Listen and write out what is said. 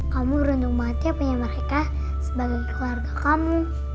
kamu rendung banget ya punya mereka sebagai keluarga kamu